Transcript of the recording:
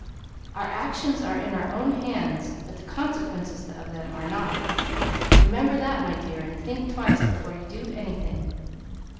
Our actions are in our own hands, but the consequences of them are not. Remember that, my dear, and think twice before you do anything."